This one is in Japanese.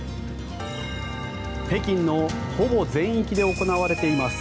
北京のほぼ全域で行われています